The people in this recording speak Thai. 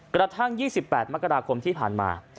กระทั่ง๒๘มกราคมที่ผ่านมา